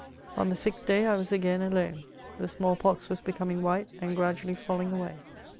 On the sixth day I was again alone. The small pox was becoming white, and gradually falling away.